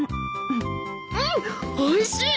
うんおいしい！